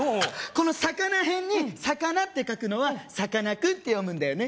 この魚偏に魚って書くのはさかなクンって読むんだよね？